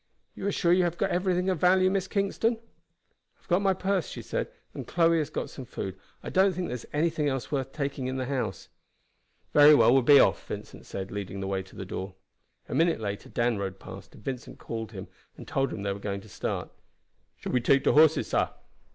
You are sure you have got everything of value, Miss Kingston?" "I have got my purse," she said, "and Chloe has got some food. I don't think there is anything else worth taking in the house." "Very well, we will be off," Vincent said, leading the way to the door. A minute later Dan rode past, and Vincent called him and told him they were going to start. "Shall we take de horses, sah?"